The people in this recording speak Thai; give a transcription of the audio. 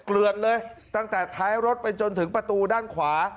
เลือดเลยตั้งแต่ท้ายรถไปจนถึงประตูด้านขวา